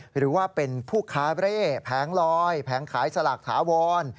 หรือว่าเป็นผู้ค้าเร่แผงลอยแผงขายสลากถาวร